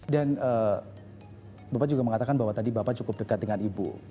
dan bapak juga mengatakan bahwa tadi bapak cukup dekat dengan ibu